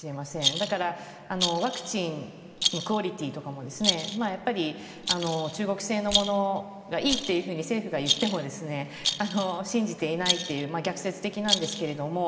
だからワクチンのクオリティーとかも中国製のものがいいと政府が言っても信じていないという逆説的なんですが